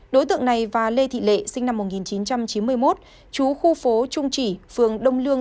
đối tượng này và lê thị lệ sinh năm một nghìn chín trăm chín mươi một chú khu phố trung chỉ phường đông lương